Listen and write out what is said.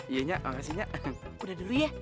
iya nya makasih nya udah dulu ya